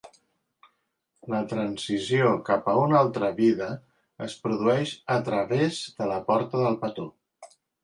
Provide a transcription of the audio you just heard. La transició cap a una altra vida es produeix a través de La porta del petó.